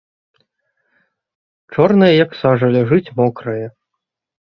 Чорнае, як сажа, ляжыць мокрае.